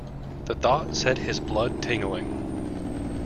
The thought set his blood tingling.